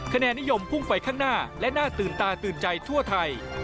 คะแนนนิยมพุ่งไปข้างหน้าและน่าตื่นตาตื่นใจทั่วไทย